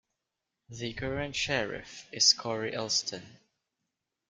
The current Sheriff is Kory Elston.